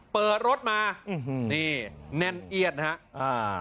เปิดรถมานี่แน่นเอียดนะครับ